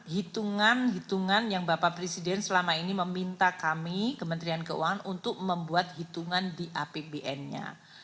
hitungan hitungan yang bapak presiden selama ini meminta kami kementerian keuangan untuk membuat hitungan di apbn nya